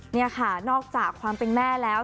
นี่ค่ะนอกจากความเป็นแม่แล้ว